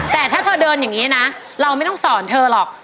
แต่ถ้าเธอเดินอย่างนี้นะเราไม่ต้องสอนเธอหรอก